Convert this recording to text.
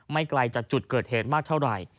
ไกลจากจุดเกิดเหตุมากเท่าไหร่